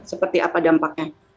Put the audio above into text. seperti apa dampaknya